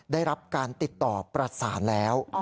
ได้รับการติดต่อประสานแล้ว